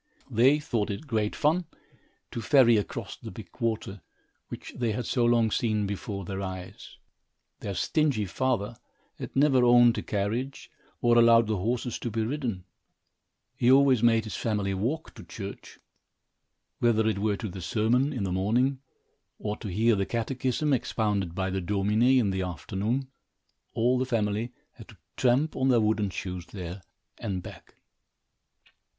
They thought it great fun to ferry across the big water, which they had so long seen before their eyes. Their stingy father had never owned a carriage, or allowed the horses to be ridden. He always made his family walk to church. Whether it were to the sermon, in the morning, or to hear the catechism expounded by the Domine, in the afternoon, all the family had to tramp on their wooden shoes there and back.